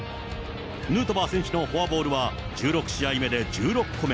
ヌートバー選手のフォアボールは１６試合目で１６個目。